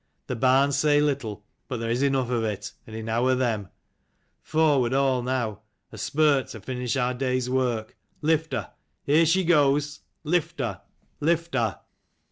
The barns say little, but there is enough of it, and enow of them. Forward all now: a spurt to finish our day's work. Lift her ! here she goes. Lift her!"